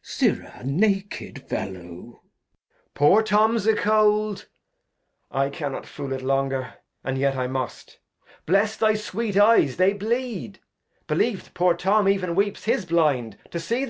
Glost. Sirrah, naked FeUow. Edg. Poor Tom's a cold ; 1 cannot fool it longer, And yet I must. Bless thy sweet Eyes, they bleed ; Beheve't poor Tom ev'n weeps his Blind to see 'em.